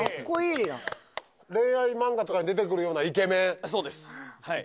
恋愛漫画とかに出てくるようなイケメンそうです